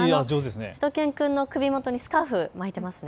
しゅと犬くんの首元にスカーフ巻いてますね。